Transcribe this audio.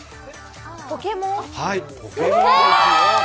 「ポケモン」？